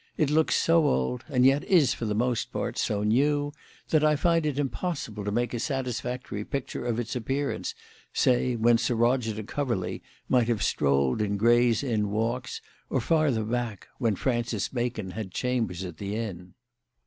It looks so old and yet is, for the most part, so new that I find it impossible to make a satisfactory picture of its appearance, say, when Sir Roger de Coverley might have strolled in Gray's Inn Walks, or farther back, when Francis Bacon had chambers in the Inn."